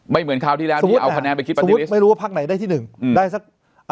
ไม่เหมือนคราวที่แล้วที่เอาคะแนนไปคิดปาร์ตี้ลิสต์สมมุติไม่รู้ว่าพักไหนได้ที่๑ได้สัก๔๐๐๐๐